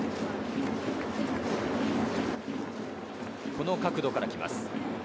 この角度からきます。